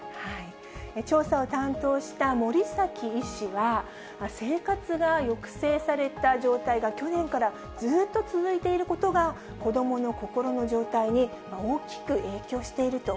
調査を担当した森崎医師は、生活が抑制された状態が去年からずっと続いていることが、子どもの心の状態に大きく影響していると。